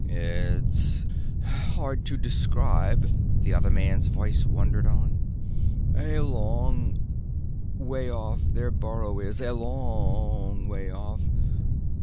"It's hard to describe," the other man's voice wandered on. "A long way off, their burrow is, a long way off.